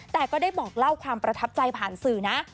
แต่ก็ได้บอกเล่าความประทับใจผ่านสื่อนะ